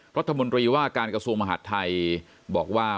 รัฐมนตรีว่าการกระทรวงมหาดไทยบอกว่า